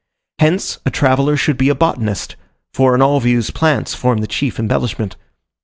Hence, a traveller should be a botanist, for in all views plants form the chief embellishment.